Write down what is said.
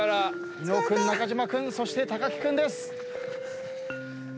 伊野尾君中島君木君です。